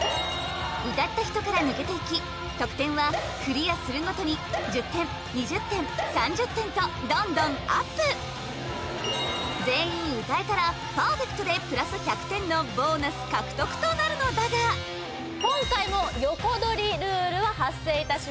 歌った人から抜けていき得点はクリアするごとに１０点２０点３０点とどんどんアップ全員歌えたらパーフェクトでプラス１００点のボーナス獲得となるのだが今回も横取りルールは発生いたします